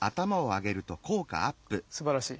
すばらしい。